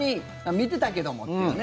見てたけどもというね。